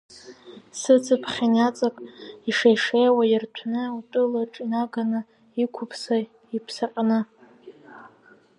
Сыцыԥхь инаҵак ишеишеиуа ирҭәны, утәылаҿы инаганы иқәыԥса иԥсаҟьаны.